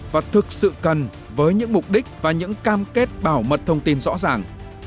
và thực sự cần với những mục đích và những cam kết bảo mật thông tin rõ ràng